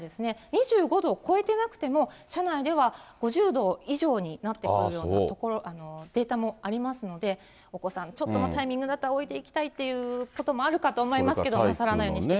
２５度を超えてなくても車内では５０度以上になってくるようなデータもありますので、お子さん、ちょっとのタイミングだったら置いていきたいっていうこともあるかと思いますけど、なさらないようにしてください。